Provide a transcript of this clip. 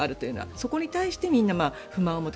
そこに対してみんな不満を持つ。